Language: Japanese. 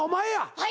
はい。